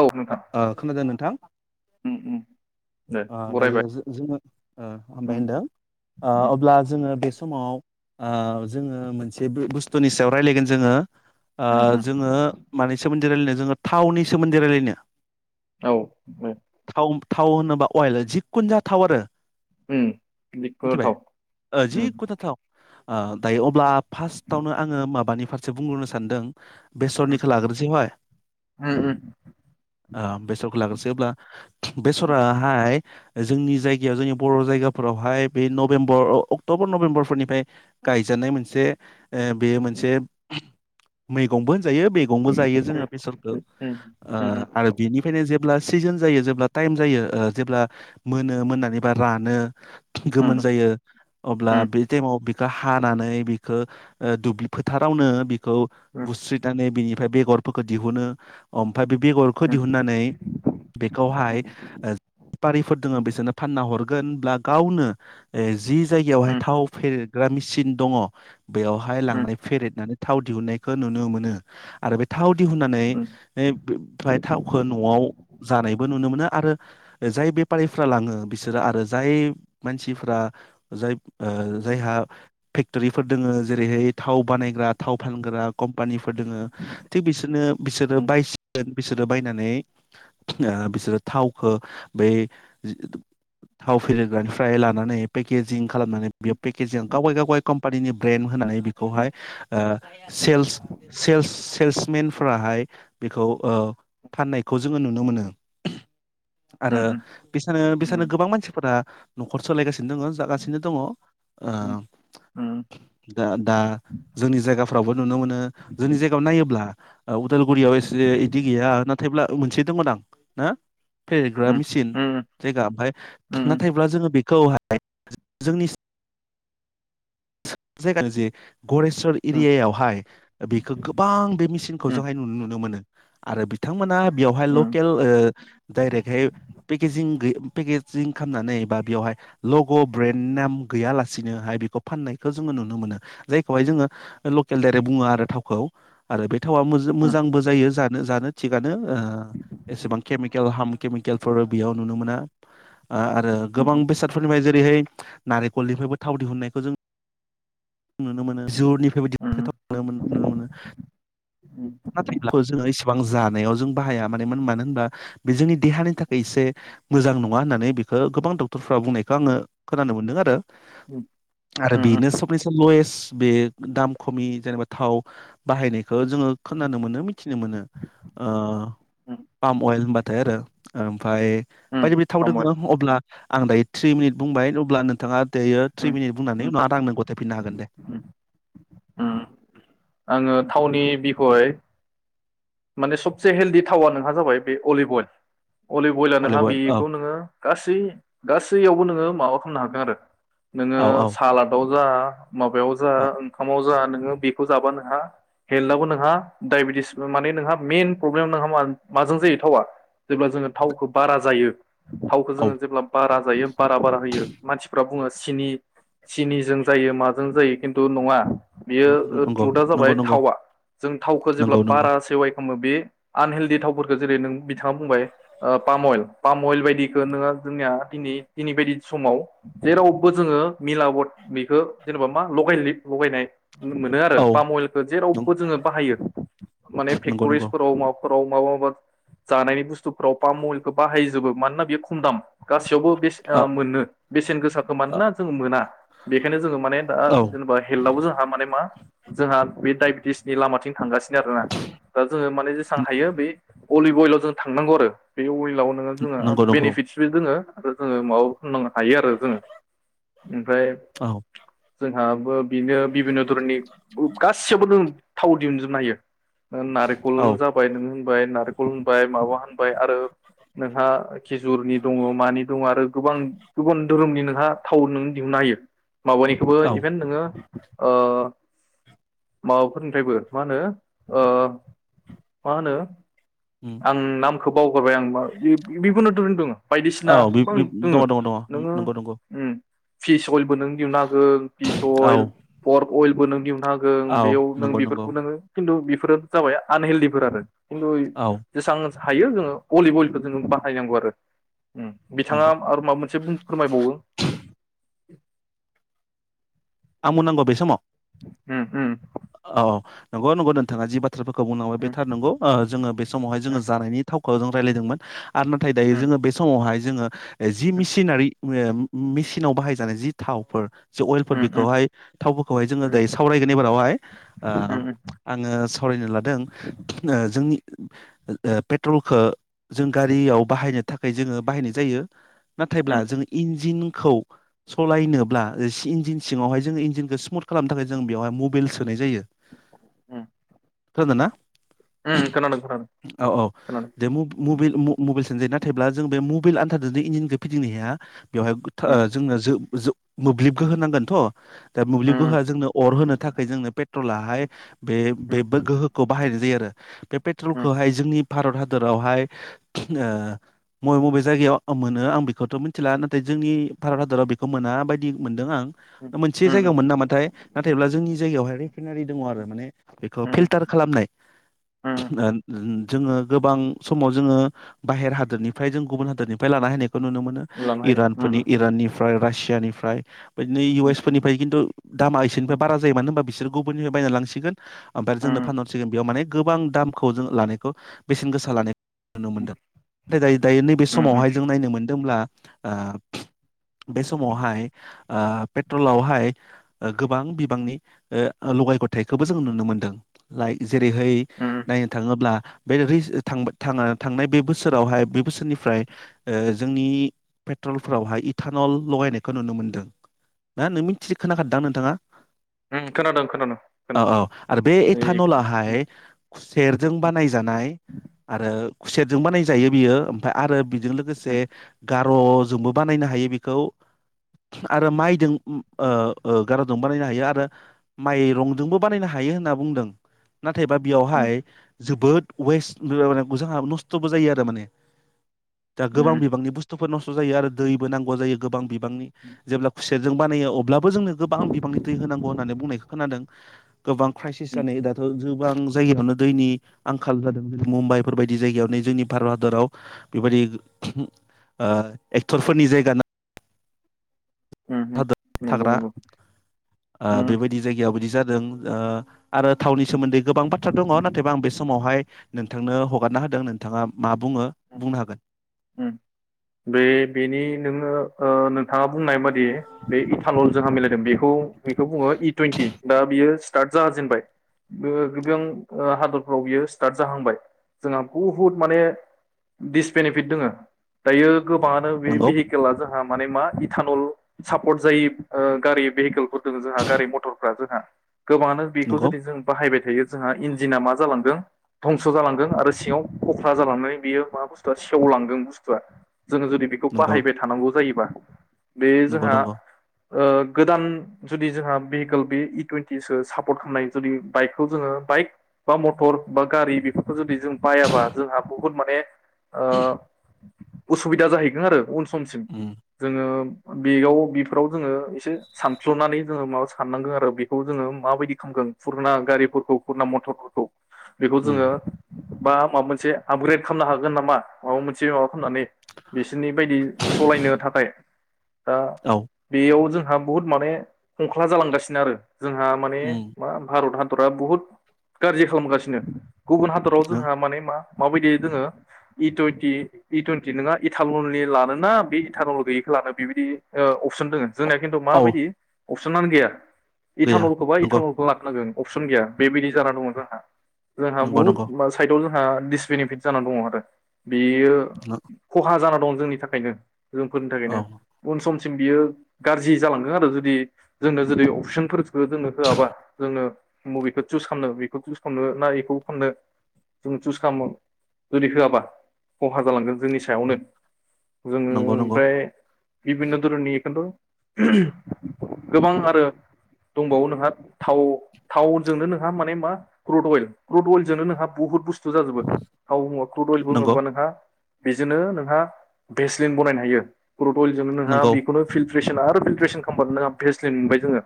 औ नोंथां ओ खोनादों नोंथां? उम उम दे ओ बरायबाय दायो जों जोंङो ओ हामबाय उम होनदों उम अब्ला जोङो बे स समाव ओ जोङो मोनसे बु बुस त नि सायाव रायलायगोन जोङो ओ उम उम जोङो मानि सोमोन रायलायनो जोङो थावनि सोमोन्दै रायलायनो। औ ओ थाव थाव होनोबा अयेल जिखुन जाथाव आरो उम जिखुनु मिथिबाय थाव ओ जिखुनु थाव ओ दायो अब्ला फास्टआवनो आङो माबानि फास जो बुंग्रोनो सानदों। उम बेसरनिखौ लाग्रोनोसै फाय उम ओ बेसरखौ लाग्रोसै अब्ला उम बेसरा जोंनि जायगायाव जोंनि बर' जायगाफोरावहाय बे नभेम्बर अक्ट'बर नभेम्बरफोरनिफ्राय गायजानाय मोनसे ओ बेयो मोनसे मैगंबो जायो मैगं बो जायो उम जोङो बेसरखौ उम उम ओ उम आरो बेनिफाय नो जेब्ला सिजोन जायो जेब्ला टाइम जायो ओ जेब्ला मोनो मोननानै बा रानो गोमोन उम जायो अब्ला उम बै टाइमाव हानानै बिखौ ओ दुब्लि फोथारावनो खौ बुस्रिधानै बिनिफ ओमफ्राय बेगरफोरखौ दिहुनो। ओमफ्राय बे बेगरखौ उम दिहुनन्नानै उम बेखौहाय ओ बारिफोर दोङो बिसोरनो फाननाव हरगोनब्ला गावनो ओज जि जायगायावहाय थाव फेरो ग्रा मेसिन दङ। बेयावहाय लांनानै फेरेदनानै। थाव दिहुननायखौ नुनो मोनो आरो बे थाव दिहुननानै फ्राय थावखौ न'आव जानायबो नुनो मोनो आरो जाय बेफारिफ्रा लाङो बिसोरो आरो जाय मानसिफ्रा जाय ओ जायहा फेक्ट'रिफोर दोङो जेरैहाय थाव बानायग्रा थाव फानग्रा कम पानिफोर दोङो थिग बिसोरनो बिसोरो बायसि बिसोरो बायनानै ओ बिसोरो थावखो बै थाव फेरेरग्रानिफ्राय लानानै पेकेजिं खालामनानै बेेयाव पेकेजिंग गावगाय गावगाय कम बेबादि नो ब्रेन होनानै बेखौहाय ओ सेल्स सेल्स सेल्स मेन फोराहाय बेखौ ओ फाननायखौ जोङो नुनो मोनो। आरो बिसानो बिसानो गोबां मानसिफोरा न'खर सलायगा सिनो दोंडो जागासिनो दङ ओ दा दा जोंनि जायगा फ्रावबो नुनो मोनो जोंनि जायगायाव नायोब्ला उदालगुरियाव एसे इदि गैया नाथायब्ला मोनसे दंमोन दां ओ ग्राब सिन जायगा ओमफाय नाथायब्ला जोंङो बे खौहाय जोंनि [unintelligible] गरेस्वर एरियायावहाय बेखो गोबां बे मेचिनखौ जोंहाय नुनो मोनो। आरो बिथांमोना बेयावहाय लकेल ओ डाइरेक्टहै पेकेजिं गै पेकेजिं खामनानै बा बेयावहाय लग' ब्रेन्ड नाम गैयालासेनोहाय बेखौ फाननायखोे जोङो नुनो मोनो जायखौहाय जोङो लकेल दायरेक्ट बुङो आरो थावखौ आरो बे थावा मो मोजांबो जायो जा नो जानो थिगानो अ एसेबां केमिकेल हम केमिकेलफोर बेयाव नुनो मोना आ आरो गोबां बेसादफोरनि बाय जे रै नारेंखल निफ्रायबो थाव दिुननायखौ जों नुनो मोनो। जुरनिफ्रायबो दिहुननाय थाव नुनो मोनो नाथायब्ला जो गोबां जानायाव जों बाहाया माने मोन मानो होनबा बे जोंनि देहानि थाखाय एसे मोजां नङा होननानै बेखौ गोबां डक्टरफ्रा बुंनायखौ आङो खोनानो मोनदों आरो उम आरो बेनो सबेसलयेस बे दाम खमि जेनेबा थाव बाहायनाय खो जोंडो खोनानो मोनो मिथिनो मोनो ओ पाम अयल थो आरो ओम। फाय बायदि बायदि थाव दोङ अब्ला आं दायो थ्रि मिनिट बुंबाय अब्ला नोंथाङा दायो थ्रि मिनिट नै उम [unintelligible] गथायफिननो हागोन दे ओम। आंङो थावनि बिख'य माने सबसे हेल्दी थावा नोंहा जाबाय बे अलिभ अइल अलिभ अयेला नोंहा अइल औ बेखौ नोङो गासै गासैयावबो नोङो माबा हनो हागोन आरो। नोङो औ औ सालादाव होआ माबायाव जा औ ओंखामाव जा नोङो बेखौ जाबा नोंहा हेल्दाबो नोंहा दायबेटिस माने नोंहा मेन प्रब्लेम नोंहा मा माजों जायो थावा? जेब्ला जोङो थावखौ बारा जायो थावखौ औ जोङो जेब्ला बारा जायो बारा बारा होयो मानसिफ्रा बुङो सिनि सिनिजों जायो माजों जायो। खिन्थु नङा। बेयो नंगौ त्रुदा नंगौ जाबाय नंगौ थावा, जों थावखौ जेब्ला नंगौ नंगौ बारा पे खामो बे आन हेल्दि थावफोरखो जेरै नों बिथाङा बुंबाय ओ पाम अइल पाम अइल बायदिखो नोङो जोंनिया दिनै दिनै बायदि समाव जेरावबो जोङो मिलावद बेखो जेनेबा मा लगाय लि लगायनाय मोनो आरो औ पाम अइलखो नं- जेरावबो जोङो बाहायो माने नंगौ नंगौ फेक्टरिसफोराव मा फोराव माबा माबा जानायनि बुुस्टुफोराव पाम अइलखो बाहायजोबो मानोना बेयो खम दाम गा सैयावबो बेस औ ओ मोनो बेसेन गोसाखो मानोना जों मोना बेखायनो जोङो माने दा औ जेनेबा हेल्थआवबो जोंहा माने मा जोंहा बे डायबेटिसनि लामाथिं थांगासिनो आरो दा जोङो माने जेसां हायो बै अलिब अइलाव जों थांनांगौ आरो। बे अइल लाव नोङो जोङो नंगौ नंगौ बेनिफिटसबो दोङो आरो जोङो माबा फोनांनो हायो आरो जोङो ओम फ्राय औ जोंहाबो बिनो बिबिनन धरननि गासिबो नों थाव दिहुनजोबनो हायो औ नारेंखल जाबाय नों होनबाय नारखल होनबाय माबा होनबाय आरो नोंहा खिजचरनि दङ मानि दङ आरो गोबां गुबुन धोरोमनि नोंहा थाव नों दिहुननो हायो माबानिखौबो औ इभेन नोङो ओ माबाफोरनिफ्रायबो मा होनो ओ मा होनो उम आं नाम खौ बावगारबाय आं मा बिखुनु धोर दोङो बायदिसिना औ बे गोबां बे दोङो दङ दङ दङ नोङो नंगौ नंगौ फिस अइलबो नों दिहुननो हागोन पिस औ अइल कर अइलबो नों दिहु हागोन औ बेयाव नों नंगौ नंगौ बेफोरखौ नोङो खिन्थु बेफोरो जाबाय आनहेल्डिफोर आरो खिन्थु औ बेसेसां हायो जोङो भलि बयलखौ जोङो बाहायनांगौ आरो उम बिथाङा नंगौ आरो माबा मोनसे फोरमायबावो आंनो बुंनांगौ बे समाव उ उ औ नंगौ नंगौ नोंथाङा जि बा थ्राफोरखौ बुंनांबाय बे थार नंगौ जोङो बे समावहाय उम जोङो जानायनि थाव गावजों रायज्लायदोंमोन आरो नाथाय दायो उम जोङो बे समावहाय जोङो। जि मेसिनारि मेसिनाव बाहायजानाय जि थावफोर जो अइलफोर उम बे उम खौहाय थावफोरखौहाय जोङो दायो सावरायगोननि बारावहाय ओ उम आङो सावरायनो लादों जोंनि पेट्रलखौ जों गारियाव बाहायनो थाखाय जोङो बाहायनाय जायो नाथायब्ला उम जों इन्जिननि खौ सालायनोब्ला सि इन्जिन सिङावहाय जोङो इन्जिनखौ सिमुथ खालामनो थाखाय जों बेवहाय मबाइल सोनाय जायो उम [inaudible] थोदोंना उम खोनादों खोनादों [unintelligible] औ औ खोनादों देमु। मुबिटइल मुबिइल सान जायो नाथायब्ला जों बे मुबिइल आनथादजों इन्जिनखौ फिदिंनो हाया। बेवहाय गोथा उम [unintelligible] जोंनो जो जो मोब्लिबखौ होनांगोन। दा मोब्लिब उम गोहो जोंनो अर होनो थाखाय जोंनो पेट्रलाहाय उम बे गोहोखौ बाहायनाय जायो आरो बे उम पेट्रलखौहाय जोंनि। भारत हादरावहाय ओ मबे मबे जायगायाव मोनो आं बेखौथ' मिथिला नाथाय जोंनि भारत हादराव बेखौ मोना बायदि मोनदों आं। उम मोनसे उम जायगायाव मोनो नामाथाय नाथायब्ला जोंनि जायगायावहाय रिफाइनारि दङ आरो माने बेखौ फिलटार खालामनाय लांनो ओ। जोङो गोबां समाव जोङो बाहेर हादोरनिफ्राय जों गुबुन हादोरनिफ्राय लाना हैननाय खौ नुनो मोनो हायो इरान उम फोरनि इराननिफ्राय रासियानिफ्राय। बिदिनो इउ उम एसफोरनिफ्राय खिन्थु दामा एसेनिफ्राय उम बारा जायो मानो होनबा बिसोर गुबुननिफ्राय बायनानै लांसिगोन ओमफ्राय जोंनो फानहरसिगोन बेयाव माने गोबां दामखौ जों लानायखौ बेसेन गोसा लानायखौ नुनो उम मोनदों नाथाय दायो दायो नैबे उम उम समावहाय जों नायनो मोनदोंब्ला आ। बे समावहाय। पेट्रलावहाय गोबां बिबांनि लगाय गथायखौबो जों नुनो मोनदों लाइ जेरैहाय नायनो थांङोब्ला बे थांनाय बे बोसोरावहाय बे बोसोरनिफ्राय जोंनि पेट्रलफोरावहाय इटानल लगायनायखौ नुनो मोनदों ना नों मिथि खोनाखादोंदां नोंथांङा उम खोनादों खोनादों औ खोनादों औ आरो बे ओइ उम एटानलाहाय खुसेेरजों उम बानायजानाय आरो खुसेटजों बानायजायो बियो ओमफ्राय आरो बेजों लोगोसे उम ग र' जोंबो बानायनो हायो बेखौ आरो माइजों गारजों बानायनो हायो आरो माइ रंजोंबो बानायनो हायो होनना बुंदों नाथायबा उम बेयावहाय जोबोद वेस्ट मज नस्थ'बो जायो आरो माने दा गोबां उम बिबांनि बुस्थुखौ नस्थ' जायो आरो दैबो नांगौ जायो गोबां बि गोबांनि। ब्ला खुसेरजों बानायो अब्लाबो जोंनो गोबां बिबांनि दै होनांगौ होननानै बुंनायखौ खोनादों गोबां क्राइसिस जानाय दाथ' जों गोबां जायगायावनो दैनि आंखाल जादों जेरै मुम्बाइफोरबायदि जायगायावनो जोंनि भारत हादराव बेबायदि एक्टरफोरनि जायगा ना उम उम नंगौ थाग्रा नंगौ ओ उम बेबायदि जायगायाव बिदि जादों दों ओ आरो थावनि उम सोमोन्दै गोबां बाथ्रा दंङ नाथायबा आं बे समावहाय नों थांनो हगारना होदों नों थाङा मा बुंङो बुंनो हागोन उम बे बेनि नोंङो ओ नोंथाङा बुंनाय बादि बे इटानल जोंहा मिलायदों बेखौ बेखौ बुंङो इ टुइन्टि दा बियो स्टार्ट जाजेनबाय गोबां हादरफ्राव बियो स्टार्ट जाहांबाय जोंहा बुहुत माने दिसपेनि फिट दोंङ दायो गोबानो बे नंगौ भेहिकेला जोंहा माने मा इटानल सापर्ट जायो गारि भेहिकेलफोर दंङ जोंहा गारि मथरफ्रा जोंहा गोबाङानो बेखौ नंगौ जुदि जों बाहायबाय थायो जोंहा इन्जिना मा जालांदों धंस' जालांदों आरो सिङाव खख्रा जालांनानै बियो माबा बुस्थुआ सेवलांदों बुस्थुआ जोङो जुदि बेखौ नंगौ बाहायबाय थानांगौ जायोबा बे नंगौ जोंहा नंगौ गोदान जुदि जोंहा भेहिकेल बे इ टुन्टिसो सापर्ट खालामनाय जुदि बाइकखौ जोङो बाइक बा मटर बा गारि बेफोरखौ जुदि जों बायाबा जोंहा बुहुत माने ओ उसुबिदा जाहैगोन आरो उन समसिम उम जोङो बेयाव बेफोराव जोङो एसे सानफ्ल'नानै जोङो माबा साननांगो आरो बेखौ जोङो माबायदि खालामगोन फुरना गारिफोरखौ फुरना मथरफोरखौ बेखौ जोंड़ो उम बा माबा मोनसे आपग्रेड खालामनो हागोन नामा? माबा मोनसे खालामनानै बिसोरनि बायदि सालायनो थाखाय दा औ बेयाव जों हा बुहुद माने खंख्ला जालांगासिनो आरो। जोंहा माने उम मा भारत हा क्टरा बुहुत गाज्रि खालामगासिनो। गुबुन हादराव नों जोंहा माने मा माबायदि जोङो इ टुइन्टि इ टुइन्टि नङा इटारनलनि लान ना बे इटारनल गैयैखौ लानो बेबायदि अपसन दोङो। अ जोंनिया खिन्थु औ माबायदि अपसनानो गैया गैया इथानलखौ बा नंगौ इटानलखौ लाखानांगोन। अपसन गैया बेबायदि जानानानै दंमोन जोंहा। जोंहा नंगौ बुहुत नंगौ मा साइथआव जों ओ दिडिसबेनिफिट जानानानै दङ आरो। बेयो नो खहा जानानै दं जोंनि थाखायनो। जोंफोरनि औ थाखायनो उन सम सिम बियो गाज्रि जालांगदों आरो जुदि जोंनो जुदि अपसनफोरख जोंनो होआबा जोंनो मुभिखौ चुस खालामनो बेखौ चुस खालामनो ना बेखौ खालामनो जों चुस खालामो जुदि होआबा। खहा जालांगोन जोंनि सायावनो जोङो नंगौ नंगौ ओमफ्राय बिभिन्न' धरननि बेखौन्थ' गोबां आरो दंबावो नोंहा थाव थावजोंनो नोंहा माने मा क्रुथ अइल, क्रुथ अइेलजोंनो नोंहा बुहुत बुस्थु जाजोबो थाव मा नंगौ बुंङोबा नोंहा। बेजोंनो नोंहा भेस्लिन बनायनो हायो। क्रुट अइलजोंनो नोंहा नंगौ बेखौनो फिलट्रेसन आरो फल्ट्रेसन खालामबानो नोंहा फेसलिन मोनबाय जोङो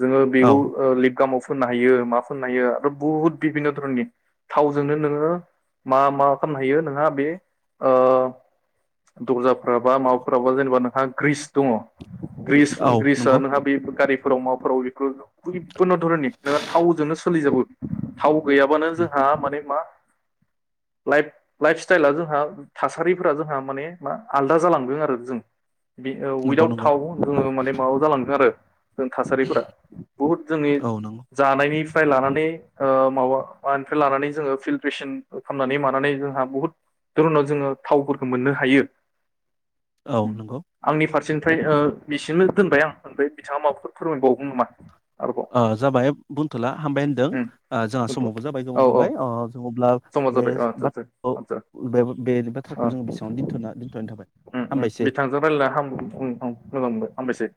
जोङो बेऔ औ ओ [unintelligible] फुननो हायो मा फुननो हायो आरो बुहुत बिभिन्न' धरननि थावजोंनो नोङो मा मा खालामनो हायो नोंहा बे ओ दर्जाफोर बा माबाफोर बा जेनेबा नोंहा ग्रिस दङ ग्रिस औ ग्रिस नंगौ नों हा गारि फोराव माबाफोराव बेफोरन' जिखुनो धरननिनो थावजोंनो सोलिजोाबो थाव गैयाबानो जोंहा माने मा लाइफ लाइफ स्टाइला जोंहा थासारिफोरा जोंहा माने मा आलदा जालांदों आरो जों ओ नंगौ वितआवट नंगौ थाव जोङो माने माबा जालांदों आरो जों थासारिफोरा बुहुद जोंनि औ नंगौ जानायनि फ्राय लानानै ओ माबा मानिफ्राय लानानै जोङो फिलट्रेसन खालामनानै माब नानै जोंहा बहुत धरनाव जोङो थावफोरखौ मोननो हायो औ नंगौ आंनि फारसे निफ्राय बिसिंनो दोनबाय आं ओमफ्राय बिथाङा माबाफोर फोरमायबावो नामा आरोबाव ओ जाबाय बुंथ'ला हामबाय होनदों उम ओ जोंहा दोनथ' समाबो जाबाय औ गोबाव औ जाबाय अ जों अब्ला समा बे जाबाय आसासा बाथ्राखौ आससा बे बे बाथ्राखौ जोङो बेसेबां दोनथ'ना दोनथ'नाय थाबाय ओम ओम हामबायसै। बिथांजों रायलायना हाम ओम ओम मोजां मोनबाय हामबायसै